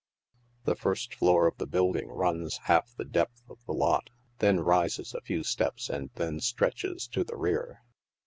The first floor of the building runs half the depth of the lot, then rises a few steps and then stretches to the rear.